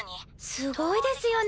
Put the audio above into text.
すごいですよね